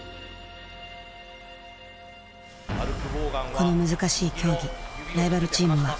この難しい競技ライバルチームは。